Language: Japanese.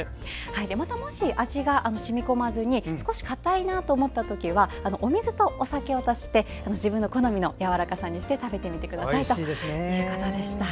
また、もし味が染み込まずに少しかたいなと思ったらお水とお酒を足して自分の好みのやわらかさにして食べてみてくださいということでした。